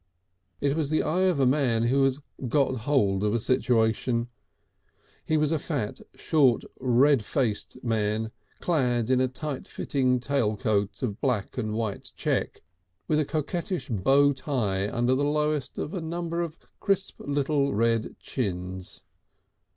It was the eye of a man who has got hold of a situation. He was a fat, short, red faced man clad in a tight fitting tail coat of black and white check with a coquettish bow tie under the lowest of a number of crisp little red chins.